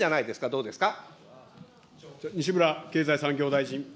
どうですか。